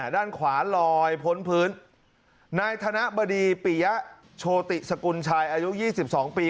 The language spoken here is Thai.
ด้านขวาลอยพ้นพื้นนายธนบดีปิยะโชติสกุลชายอายุ๒๒ปี